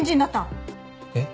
えっ。